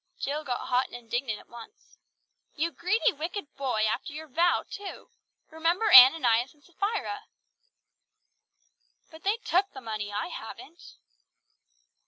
Jill got hot and indignant at once. "You greedy, wicked boy, after your vow too. Remember Ananias and Sapphira!" "But they took the money; I haven't."